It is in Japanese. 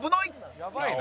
「やばいな」